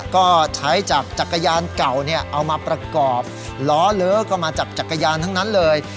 ก็ใช้จากจักรยานเก่าเอามาประกอบล้อเลอก็มาจากจักรยานทั้งนั้นเลย